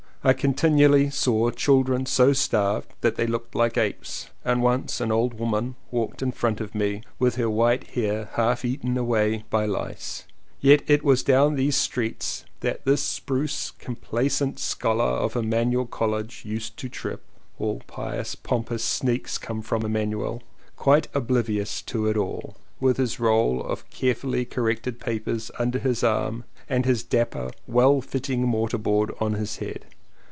I continually saw children so starved that they looked like apes, and once an old woman walked in front of me with her white hair half eaten away by lice — yet it was down these streets that this spruce complacent scholar of Emmanuel College used to trip (all pious pompous sneaks come from Emmanuel) quite ob livious to it all, with his roll of carefully corrected papers under his arm and his dapper well fitting mortar board on his head.